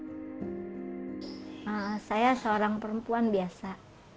saya seorang perempuan biasa